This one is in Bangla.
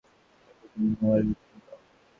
এটা ঠিকমতো মোবাইলের ভিতরে ঢুকাও।